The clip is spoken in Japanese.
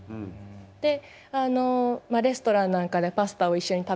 であのレストランなんかでパスタを一緒に食べながらとか。